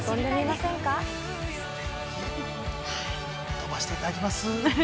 ◆はい、飛ばしていただきます。